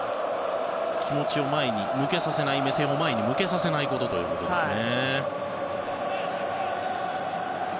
気持ちを前に向けさせない目線を前に向けさせないことということですね。